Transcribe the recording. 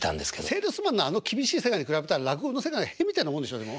セールスマンのあの厳しい世界に比べたら落語の世界なんか屁みたいなもんでしょ？